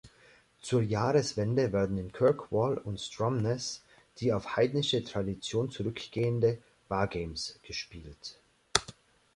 Zur Jahreswende werden in Kirkwall und Stromness die auf heidnische Tradition zurückgehende Ba’Games gespielt.